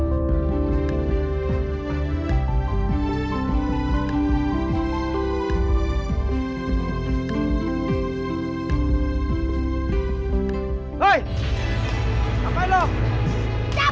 hai hai apa lo cabut